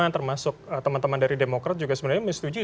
termasuk teman teman dari demokrat juga sebenarnya menyetujui